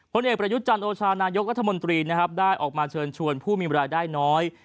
ผู้เอกประยุจจันทร์โอชานายกรัฐมนตรีได้ออกมาเชิญชวนผู้มีบรายได้น้อย